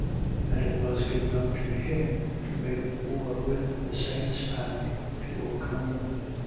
And it was given unto him to make war with the saints and to overcome them.